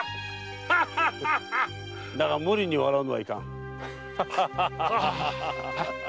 だが無理に笑うのはいかん。